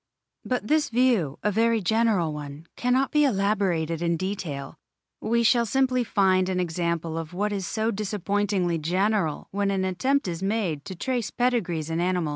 But this view, a very general one, cannot be elaborated in detail ; we shall simply find an example of what is so dis appointingly general when an attempt is made to trace pedigrees in animals.